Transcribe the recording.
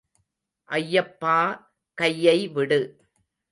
ஐயப்பா கையை விடு.